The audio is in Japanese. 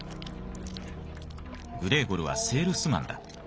グレーゴルはセールスマンだ。